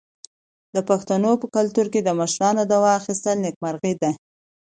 د پښتنو په کلتور کې د مشرانو دعا اخیستل نیکمرغي ده.